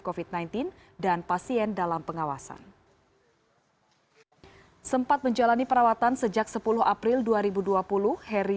covid sembilan belas dan pasien dalam pengawasan sempat menjalani perawatan sejak sepuluh april dua ribu dua puluh heri